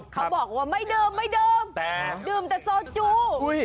เขาบอกว่าไม่เดิมเดิมแต่โซจุ